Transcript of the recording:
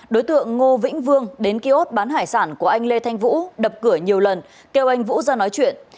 đối tượng ngô vĩnh vương đến kiosk bán hải sản của anh lê thanh vũ đập cửa nhiều lần kêu anh vũ ra nói chuyện